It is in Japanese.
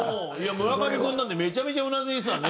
村上君なんてめちゃめちゃうなずいてたね